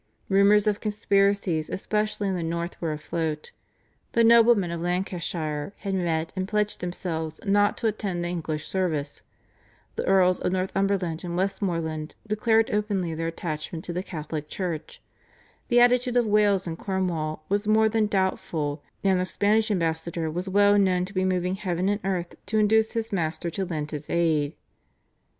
Rumours of conspiracies especially in the north were afloat. The noblemen of Lancashire had met and pledged themselves not to attend the English service; the Earls of Northumberland and Westmoreland declared openly their attachment to the Catholic Church; the attitude of Wales and Cornwall was more than doubtful, and the Spanish ambassador was well known to be moving heaven and earth to induce his master to lend his aid.